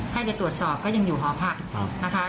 ให้ไปตรวจสอบก็ยังอยู่หอพักนะคะ